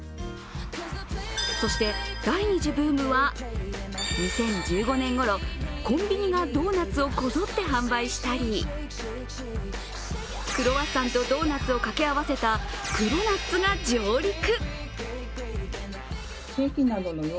そして、第２次ブームは２０１５年ごろコンビニがドーナツをこぞって販売したりクロワッサンとドーナツをかけ合わせたクロナッツが上陸。